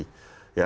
yang produktif ya